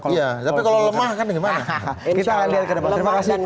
tapi kalau lemah kan bagaimana